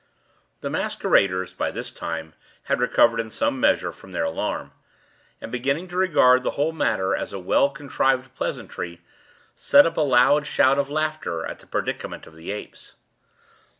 The masqueraders, by this time, had recovered, in some measure, from their alarm; and, beginning to regard the whole matter as a well contrived pleasantry, set up a loud shout of laughter at the predicament of the apes.